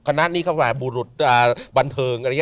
คณะนี้คณะบุรุษบันเทิง